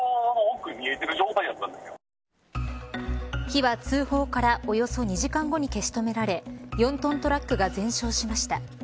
火は通報からおよそ２時間後に消し止められ４トントラックが全焼しました。